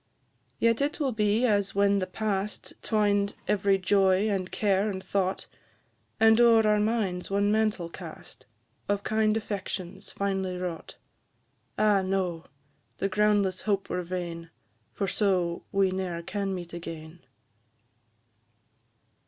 Yet will it be as when the past Twined every joy, and care, and thought, And o'er our minds one mantle cast, Of kind affections finely wrought. Ah, no! the groundless hope were vain, For so we ne'er can meet again!